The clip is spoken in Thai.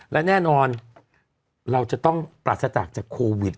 และแน่นอนเราจะต้องปราศจากจากโควิด